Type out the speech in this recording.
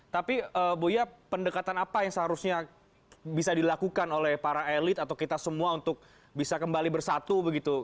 tapi buya pendekatan apa yang seharusnya bisa dilakukan oleh para elit atau kita semua untuk bisa kembali bersatu begitu